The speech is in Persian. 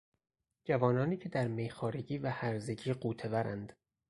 جوانانی که در میخوارگی و هرزگی غوطه ورند